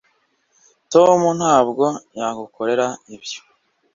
tom ntabwo yagukorera ibyo